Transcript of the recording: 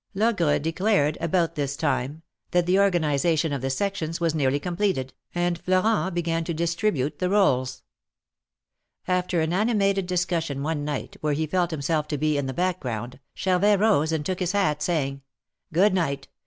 Logre declared about this time that the organization of the sections was nearly completed, and Florent began to distribute the rdles. After an animated discussion one night, where he felt himself to be in the background, Charvet rose and took his bat, saying ; Good night.